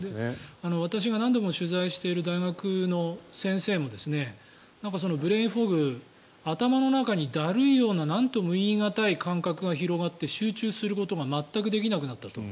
私が何度も取材している大学の先生もブレインフォグ、頭の中にだるいようななんとも言い難い感覚が広がって、集中することが全くできなくなったと。